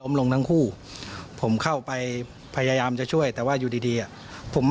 ก้มลงทั้งคู่ข่าวไปพยายามจะช่วยแต่ว่าอยู่ดีผมไม่เห็นว่า